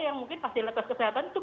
yang mungkin pas di lekas kesehatan itu